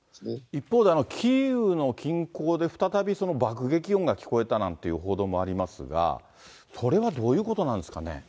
一方で、キーウの近郊で再び爆撃音が聞こえたなんていう報道もありますが、これはどういうことなんですかね。